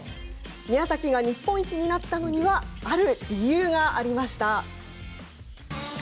宮崎が日本一になったのにはある理由がありました。